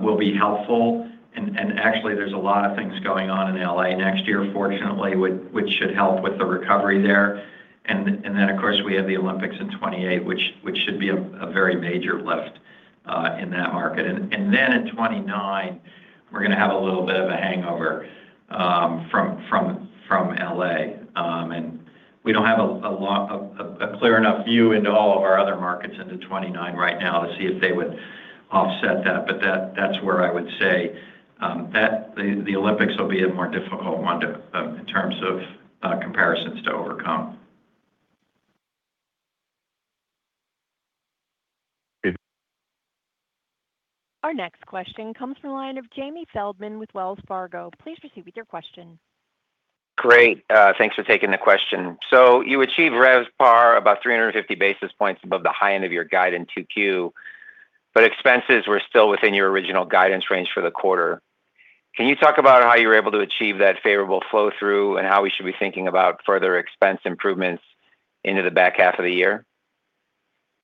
will be helpful. Actually, there's a lot of things going on in L.A. next year, fortunately, which should help with the recovery there. Then, of course, we have the Olympics in 2028, which should be a very major lift in that market. Then in 2029, we're going to have a little bit of a hangover from L.A. We don't have a clear enough view into all of our other markets into 2029 right now to see if they would offset that. That's where I would say the Olympics will be a more difficult one in terms of comparisons to overcome. Thank you. Our next question comes from the line of Jamie Feldman with Wells Fargo. Please proceed with your question. Great. Thanks for taking the question. You achieved RevPAR about 350 basis points above the high end of your guide in 2Q, but expenses were still within your original guidance range for the quarter. Can you talk about how you were able to achieve that favorable flow through, and how we should be thinking about further expense improvements into the back half of the year?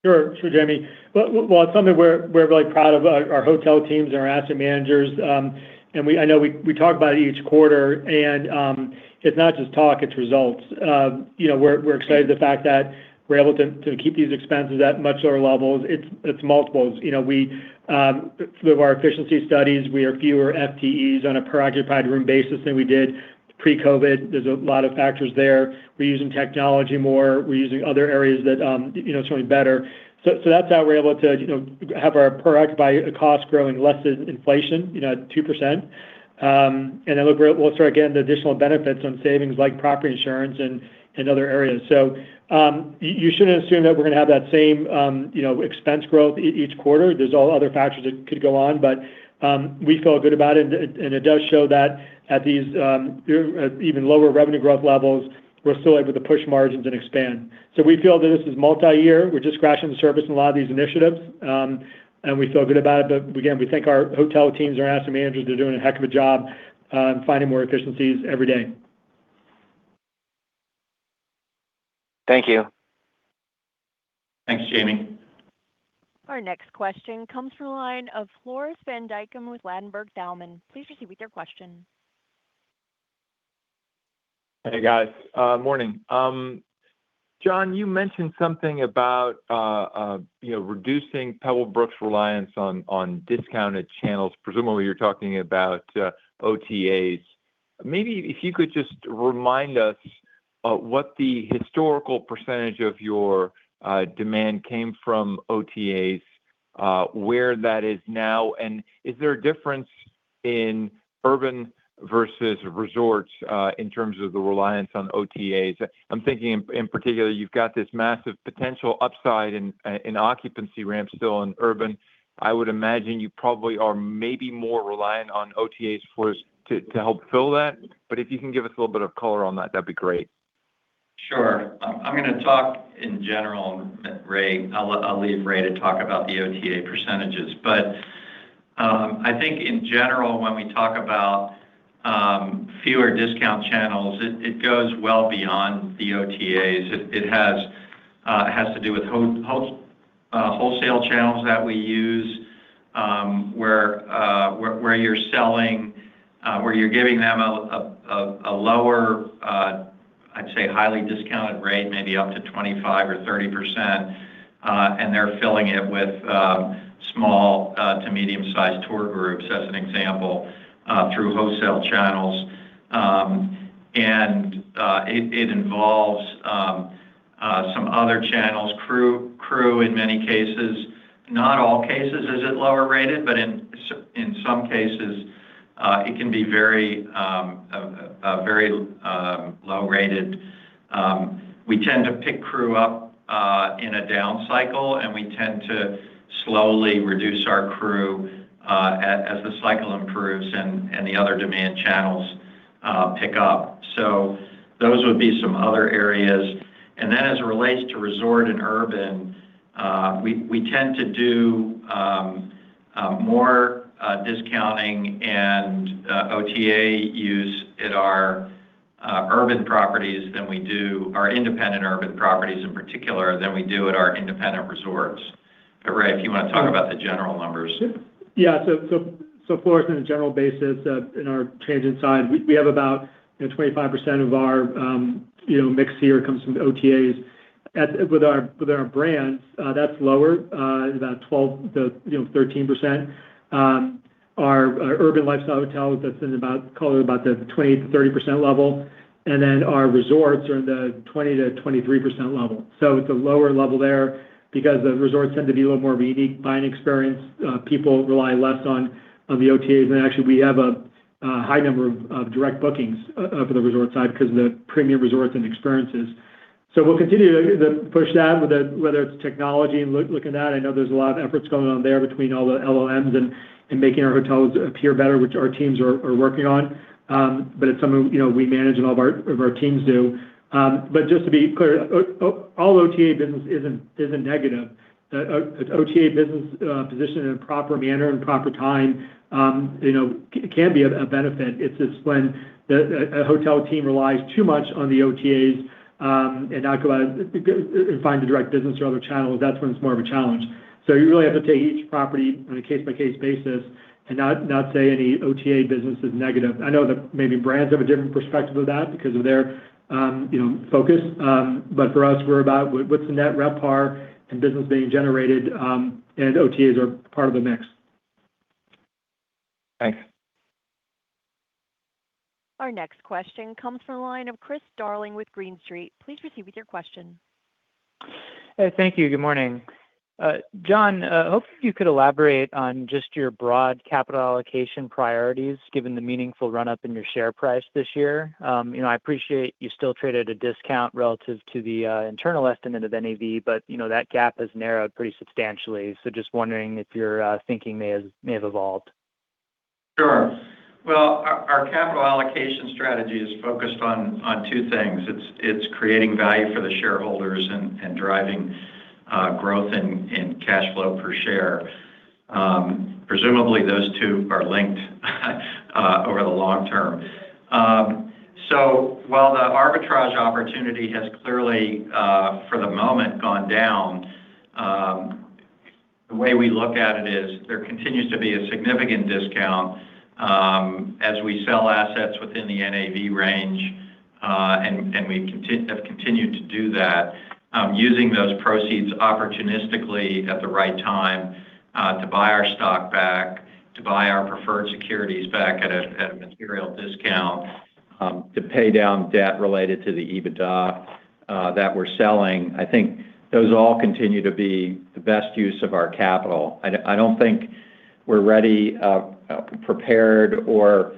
Sure, Jamie. Well, it's something we're really proud of. Our hotel teams and our asset managers, I know we talk about it each quarter, and it's not just talk, it's results. We're excited the fact that we're able to keep these expenses at much lower levels. It's multiples. Through our efficiency studies, we are fewer FTEs on a per occupied room basis than we did pre-COVID. There's a lot of factors there. We're using technology more. We're using other areas that is certainly better. That's how we're able to have our per occupied cost growing less than inflation at 2%. Then we'll start getting the additional benefits on savings like property insurance and other areas. You shouldn't assume that we're going to have that same expense growth each quarter. There's all other factors that could go on, we feel good about it, and it does show that at these even lower revenue growth levels, we're still able to push margins and expand. We feel that this is multi-year. We're just scratching the surface in a lot of these initiatives, and we feel good about it. Again, we thank our hotel teams and our asset managers. They're doing a heck of a job on finding more efficiencies every day. Thank you. Thanks, Jamie. Our next question comes from the line of Floris van Dijkum with Ladenburg Thalmann. Please proceed with your question. Hey, guys. Morning. Jon, you mentioned something about reducing Pebblebrook's reliance on discounted channels. Presumably, you're talking about OTAs. Maybe if you could just remind us of what the historical percentage of your demand came from OTAs, where that is now, and is there a difference in urban versus resorts, in terms of the reliance on OTAs? I'm thinking in particular, you've got this massive potential upside in occupancy ramps still in urban. I would imagine you probably are maybe more reliant on OTAs, Floris, to help fill that. If you can give us a little bit of color on that'd be great. Sure. I'm going to talk in general, Ray. I'll leave Ray to talk about the OTA percentages. I think in general, when we talk about fewer discount channels, it goes well beyond the OTAs. It has to do with wholesale channels that we use, where you're giving them a lower, I'd say highly discounted rate, maybe up to 25% or 30%, and they're filling it with small to medium sized tour groups, as an example, through wholesale channels. It involves some other channels. Crew, in many cases. Not all cases is it lower rated, but in some cases, it can be very low rated. We tend to pick crew up in a down cycle, and we tend to slowly reduce our crew, as the cycle improves and the other demand channels pick up. Those would be some other areas. As it relates to resort and urban, we tend to do more discounting and OTA use at our independent urban properties in particular than we do at our independent resorts. Ray, if you want to talk about the general numbers. Floris, on a general basis, in our transient side, we have about 25% of our mix here comes from the OTAs. With our brands, that's lower, about 12%-13%. Our urban lifestyle hotels, that's in about the 20%-30% level. Our resorts are in the 20%-23% level. It's a lower level there because the resorts tend to be a little more of a unique buying experience. People rely less on the OTAs. Actually, we have a high number of direct bookings for the resort side because of the premium resorts and experiences. We'll continue to push that, whether it's technology and looking at that. I know there's a lot of efforts going on there between all the [LOMs] and making our hotels appear better, which our teams are working on. It's something we manage and all of our teams do. Just to be clear, all OTA business isn't negative. OTA business positioned in a proper manner and proper time can be a benefit. It's just when a hotel team relies too much on the OTAs and not go out and find the direct business or other channels, that's when it's more of a challenge. You really have to take each property on a case-by-case basis and not say any OTA business is negative. I know that maybe brands have a different perspective of that because of their focus. For us, we're about what's the net RevPAR and business being generated, and OTAs are part of the mix. Thanks. Our next question comes from the line of Chris Darling with Green Street. Please proceed with your question. Hey. Thank you. Good morning. Jon, hopefully you could elaborate on just your broad capital allocation priorities, given the meaningful run-up in your share price this year. I appreciate you still trade at a discount relative to the internal estimate of NAV, but that gap has narrowed pretty substantially. Just wondering if your thinking may have evolved. Sure. Well, our capital allocation strategy is focused on two things. It's creating value for the shareholders and driving growth in cash flow per share. Presumably, those two are linked over the long term. While the arbitrage opportunity has clearly, for the moment, gone down, the way we look at it is there continues to be a significant discount as we sell assets within the NAV range. We have continued to do that using those proceeds opportunistically at the right time to buy our stock back, to buy our preferred securities back at a material discount, to pay down debt related to the EBITDA that we're selling. I think those all continue to be the best use of our capital. I don't think we're ready, prepared, or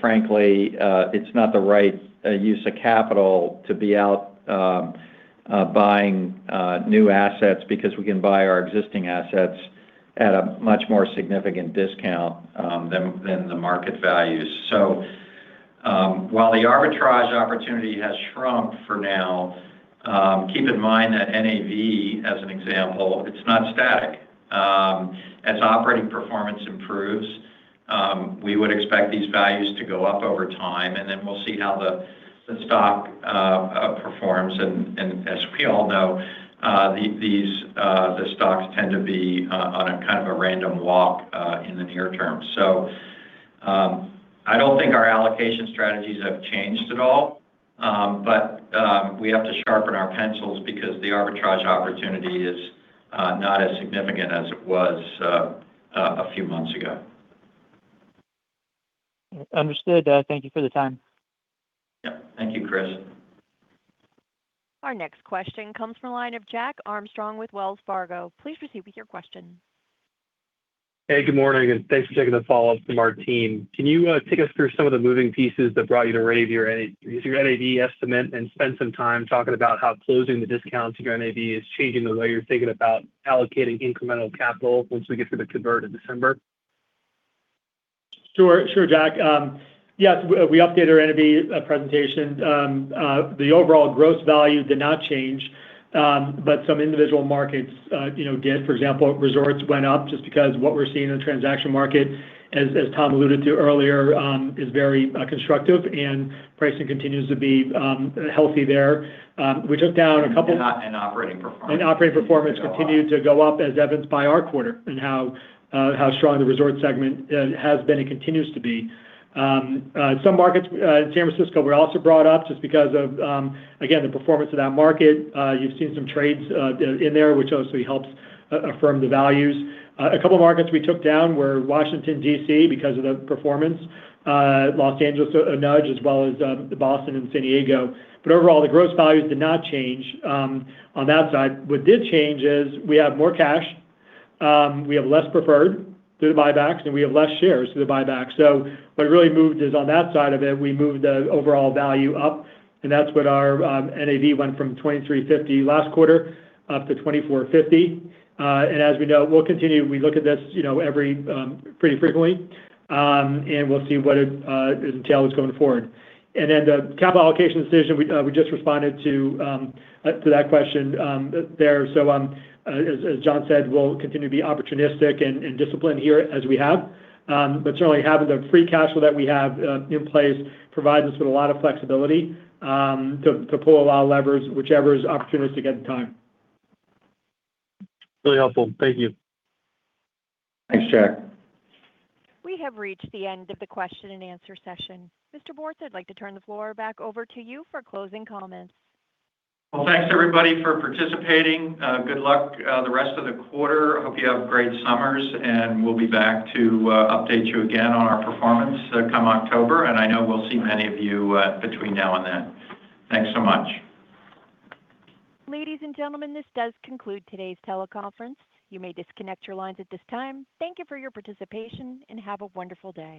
frankly it's not the right use of capital to be out buying new assets because we can buy our existing assets at a much more significant discount than the market values. While the arbitrage opportunity has shrunk for now, keep in mind that NAV, as an example, it's not static. As operating performance improves, we would expect these values to go up over time, and then we'll see how the stock performs. As we all know, the stocks tend to be on a kind of random walk in the near term. I don't think our allocation strategies have changed at all. We have to sharpen our pencils because the arbitrage opportunity is not as significant as it was a few months ago. Understood. Thank you for the time. Yeah. Thank you, Chris. Our next question comes from the line of Jack Armstrong with Wells Fargo. Please proceed with your question. Hey, good morning. Thanks for taking the follow-up from our team. Can you take us through some of the moving pieces that brought you to raise your NAV estimate and spend some time talking about how closing the discount to your NAV is changing the way you're thinking about allocating incremental capital once we get through the convert in December? Sure, Jack. Yes, we updated our NAV presentation. The overall gross value did not change. Some individual markets did, for example, resorts went up just because what we're seeing in the transaction market, as Tom alluded to earlier, is very constructive and pricing continues to be healthy there. We took down a couple. Operating performance. Operating performance continued to go up as evidenced by our quarter and how strong the resort segment has been and continues to be. Some markets, San Francisco were also brought up just because of, again, the performance of that market. You've seen some trades in there, which also helps affirm the values. A couple markets we took down were Washington, D.C., because of the performance, Los Angeles a nudge, as well as Boston and San Diego. Overall, the gross values did not change on that side. What did change is we have more cash. We have less preferred through the buybacks, and we have less shares through the buyback. What really moved is on that side of it, we moved the overall value up, and that's what our NAV went from $2,350 million last quarter up to $2,450 million. As we know, we'll continue. We look at this pretty frequently. We'll see what it entails going forward. The capital allocation decision, we just responded to that question there. As Jon said, we'll continue to be opportunistic and disciplined here as we have. Certainly having the free cash flow that we have in place provides us with a lot of flexibility to pull a lot of levers, whichever is opportunistic at the time. Really helpful. Thank you. Thanks, Jack. We have reached the end of the question and answer session. Mr. Bortz, I'd like to turn the floor back over to you for closing comments. Well, thanks everybody for participating. Good luck the rest of the quarter. Hope you have great summers, and we'll be back to update you again on our performance come October. I know we'll see many of you between now and then. Thanks so much. Ladies and gentlemen, this does conclude today's teleconference. You may disconnect your lines at this time. Thank you for your participation, and have a wonderful day.